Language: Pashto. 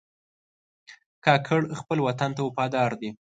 کاکړ خپل وطن ته وفادار دي.